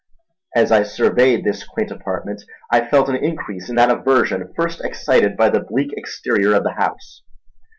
As I surveyed this quaint apartment, I felt an increase in that aversion first excited by the bleak exterior of the house.